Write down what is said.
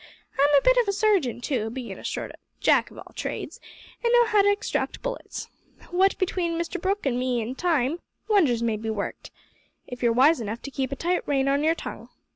I'm a bit of a surgeon, too bein' a sort o' Jack of all trades, and know how to extract bullets. What between Mr Brooke an' me an' time, wonders may be worked, if you're wise enough to keep a tight rein on your tongue."